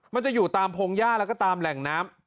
มันจะอยู่ตามพงหญ้าแล้วก็ตามแหล่งน้ำ